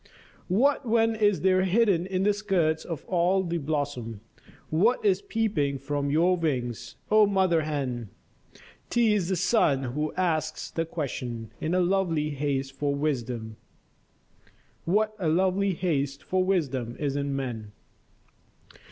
What then is there hidden in the skirts of all the blossom, What is peeping from your wings, oh mother hen? 'T is the sun who asks the question, in a lovely haste for wisdom What a lovely haste for wisdom is in men?